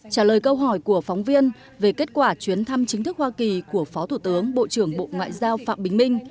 trả lời câu hỏi của phóng viên về kết quả chuyến thăm chính thức hoa kỳ của phó thủ tướng bộ trưởng bộ ngoại giao phạm bình minh